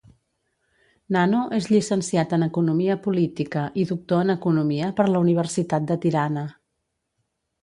Nano és llicenciat en economia política i doctor en economia per la Universitat de Tirana.